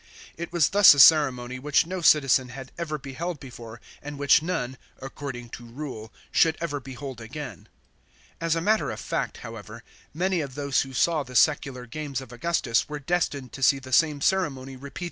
It was thus a ceremony which no citizen had ever beheld before and which none — according to rule — should ever behold again. As a matter of fact, however, many of those who saw the secular games of Augustus were destined to see the same ceremony repeated by * la 28 B.